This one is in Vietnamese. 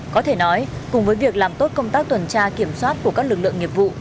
có thể nói cùng với việc làm tốt công tác tuần tra kiểm soát của các lực lượng nghiệp vụ